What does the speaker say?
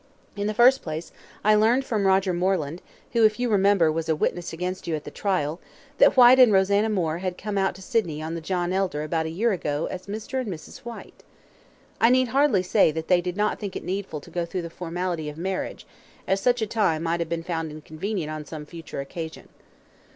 In the first place, I learned from Roger Moreland, who, if you remember, was a witness against you at the trial, that Whyte and Rosanna Moore had come out to Sydney in the JOHN ELDER about a year ago as Mr. and Mrs. Whyte. I need hardly say that they did not think it needful to go through the formality of marriage, as such a tie might have been found inconvenient on some future occasion.